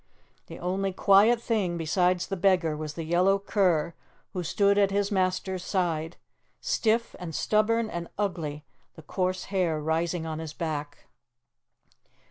The only quiet thing besides the beggar was the yellow cur who stood at his master's side, stiff and stubborn and ugly, the coarse hair rising on his back.